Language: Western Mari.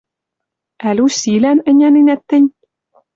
Ӓль усилӓн ӹняненӓт тӹнь?